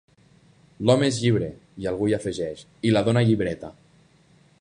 «l'home és llibre» i algú hi afegeix «i la dona llibreta».